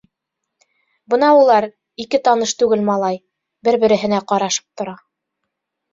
Бына улар, ике таныш түгел малай, бер-береһенә ҡарашып тора.